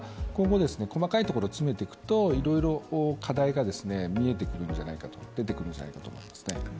今後、細かいところを詰めてくといろいろ課題が見えてくるんじゃないか、出てくるんじゃないかと思います。